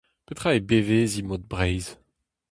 Petra eo beveziñ mod Breizh ?